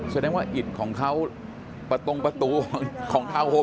แสดงว่าอิดของเขาประตงประตูของทาวนโฮม